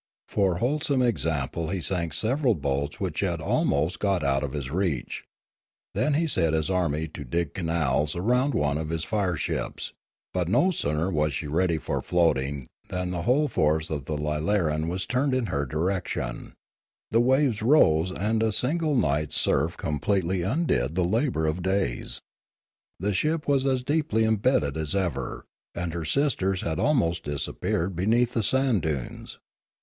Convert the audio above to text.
For wholesome example he sank several boats which had almost got out of his reach. Then he set his army to dig canals around one of his fire ships; but no sooner was she ready for floating than the whole force of the lilaran was turned in her direc tion; the waves rose and a single night's surf com pletely undid the labour of days. The ship was as deeply embedded as ever; and her sisters had almost disappeared beneath the sand dunes.